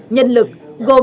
nhân lực gồm lực lượng